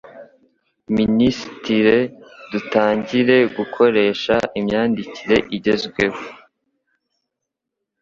minisitire dutangire gukoresha imyandikire igezweho